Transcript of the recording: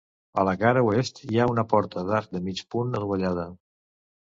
A la cara oest hi ha una porta d'arc de mig punt adovellada.